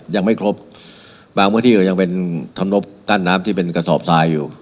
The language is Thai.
ยังไม่ครบบางที่อื่นยังเป็นทำลบกั้นน้ำที่เป็นกระสอบทรายอยู่